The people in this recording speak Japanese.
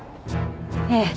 ええ。